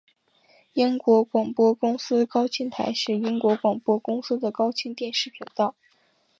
英国广播公司高清台是英国广播公司的高清电视频道。